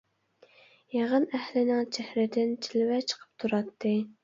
يىغىن ئەھلىنىڭ چېھرىدىن جىلۋە چىقىپ تۇراتتى.